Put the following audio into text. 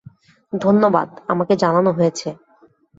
ধন্যবাদ, আমাকে জানানো হয়েছে।